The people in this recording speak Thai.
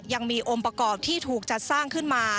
ยังมีองค์ประกอบที่ถูกจัดสร้างขึ้นมา